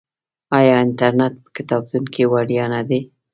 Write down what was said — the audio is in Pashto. آیا انټرنیټ په کتابتون کې وړیا نه دی؟